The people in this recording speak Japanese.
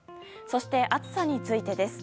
そして暑さについてです。